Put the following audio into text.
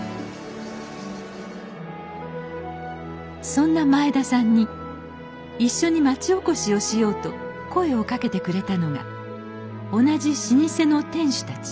そんな前田さんに一緒に町おこしをしようと声をかけてくれたのが同じ老舗の店主たち。